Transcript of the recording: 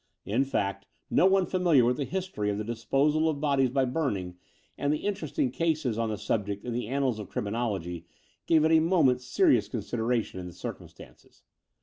In fact, no one familiar with the history of the disposal of bodies by burning and the interesting cases on the subject in the annals of criminology gave it a moment's serious consideration in the circum stances.